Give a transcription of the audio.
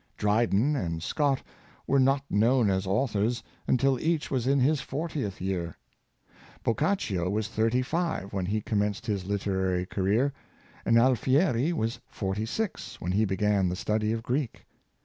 Dryden and Scott were not known as authors until each was in his fortieth year. Boccaccio was thirty five when he com menced his literary career, and Alfieri was forty six when he began the study of Greek.